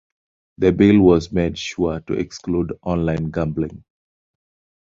The bill was made sure to exclude online gambling.